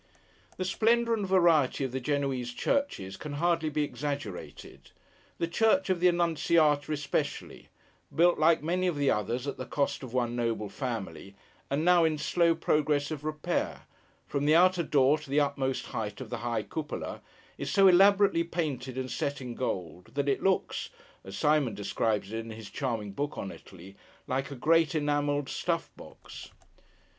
The splendour and variety of the Genoese churches, can hardly be exaggerated. The church of the Annunciata especially: built, like many of the others, at the cost of one noble family, and now in slow progress of repair: from the outer door to the utmost height of the high cupola, is so elaborately painted and set in gold, that it looks (as SIMOND describes it, in his charming book on Italy) like a great enamelled snuff box.